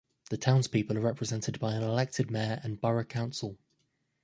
The townspeople are represented by an elected mayor and borough council.